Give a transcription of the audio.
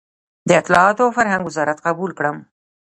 د اطلاعاتو او فرهنګ وزارت قبول کړم.